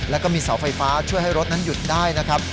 แล้วก็มีเสาไฟฟ้าช่วยให้รถนั้นหยุดได้นะครับ